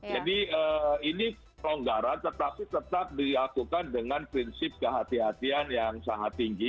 jadi ini pelonggaran tetap diakukan dengan prinsip kehatian yang sangat tinggi